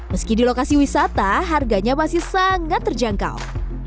meski di lokasi wisata harganya masih sangat terjangkau